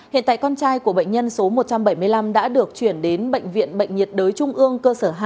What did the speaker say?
hiện tại con trai của bệnh nhân số một trăm bảy mươi năm đã được chuyển đến bệnh viện bệnh nhiệt đới trung ương cơ sở hai